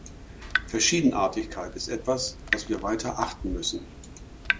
Verschiedenartigkeit ist etwas, was wir weiter achten müssen.